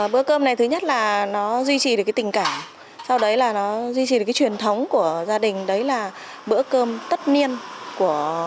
bữa cơm tất niên đã được cụ phúc duy trì hàng chục năm qua